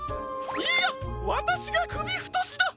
いいやわたしがくびふとしだ！